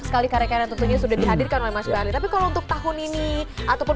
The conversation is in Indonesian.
sekali karya karya tentunya sudah dihadirkan oleh mas bandri tapi kalau untuk tahun ini ataupun